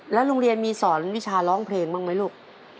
โรงเรียนมีสอนวิชาร้องเพลงบ้างไหมลูก